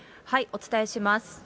お伝えします。